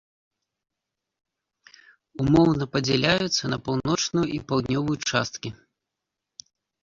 Умоўна падзяляецца на паўночную і паўднёвую часткі.